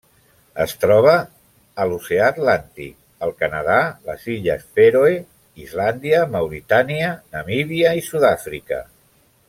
Es troba a l'Oceà Atlàntic: el Canadà, les Illes Fèroe, Islàndia, Mauritània, Namíbia i Sud-àfrica.